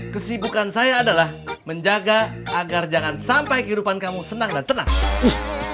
kesibukan saya adalah menjaga agar jangan sampai kehidupan kamu senang dan tenang